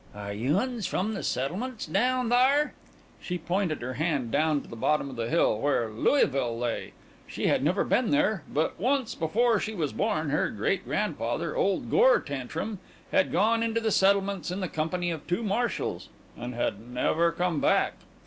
"Are you uns from the settlements down thar?" She pointed her hand down to the bottom of the hill, where Louisville lay. She had never been there; but once, before she was born, her great grandfather, old Gore Tantrum, had gone into the settlements in the company of two marshals, and had never come back.